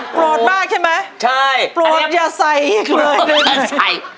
ปลอดกลางใช่มั้ยใช่ปลอดอย่าใส่อีกเลย